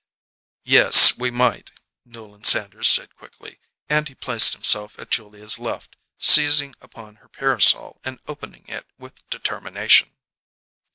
"Yes, we might," Newland Sanders said quickly; and he placed himself at Julia's left, seizing upon her parasol and opening it with determination.